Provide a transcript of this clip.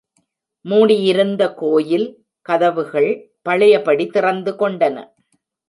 மூடியிருந்த கோயில் கதவுகள் பழையபடி திறந்து கொண்டன.